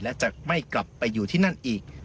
และจะไม่กลับไปอยู่ที่นั่นอีก